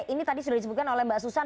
ini tadi sudah disebutkan oleh mbak susan